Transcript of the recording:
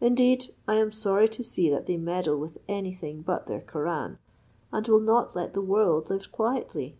Indeed, I am sorry to see that they meddle with any thing but their Koraun, and will not let the world live quietly."